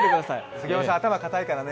杉山さん、頭かたいからね。